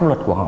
luật của họ